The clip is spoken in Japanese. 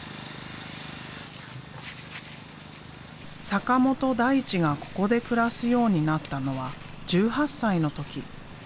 坂本大知がここで暮らすようになったのは１８歳の時。